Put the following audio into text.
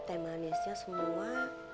time manisnya semua